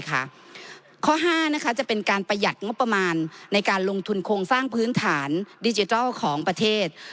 ข้อ๕จะเป็นการประหยัดงบประมาณในการลงทุนโครงสร้างพื้นฐานดิจิทัลของประเทศ